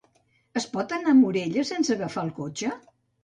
Es pot anar a Morella sense agafar el cotxe?